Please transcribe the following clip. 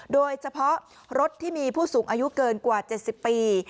โดยเฉพาะรถที่มีผู้สูงอายุเกินกว่า๗๐ปี